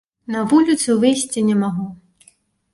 На вуліцу выйсці не магу.